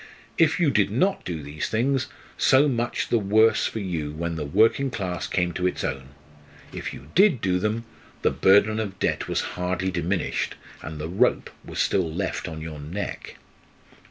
If you did not do these things, so much the worse for you when the working class came to its own; if you did do them, the burden of debt was hardly diminished, and the rope was still left on your neck.